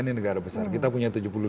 ini negara besar kita punya tujuh puluh lima